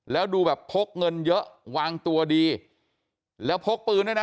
แล้วดูแบบพกเงินเยอะวางตัวดีแล้วพกปืนด้วยนะ